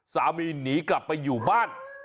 สามีหนีกลับไปอยู่บ้าน